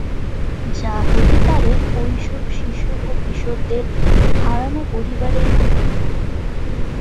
যা হতে পারে ঐসব শিশু ও কিশোরদের হারানো পরিবারের বিকল্প।